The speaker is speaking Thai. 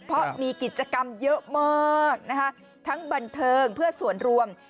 เพราะมีกิจกรรมเยอะมากนะคะทั้งบันเทิงเพื่อส่วนรวม